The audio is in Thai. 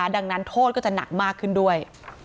ดังนั้นโทษก็จะหนักมากขึ้นด้วย